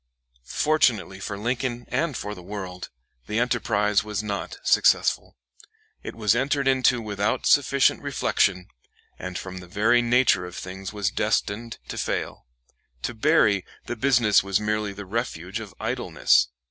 Fortunately for Lincoln and for the world, the enterprise was not successful. It was entered into without sufficient reflection, and from the very nature of things was destined to fail. To Berry the business was merely the refuge of idleness.